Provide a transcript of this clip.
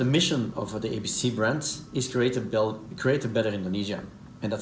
misi dari brand abc adalah untuk membuat indonesia lebih baik